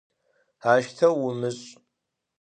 Aşteu vumış'!